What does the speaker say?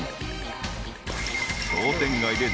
［商店街で］